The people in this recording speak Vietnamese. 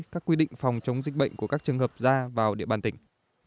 các quy định phòng chống dịch bệnh của các trường hợp ra vào địa bàn tỉnh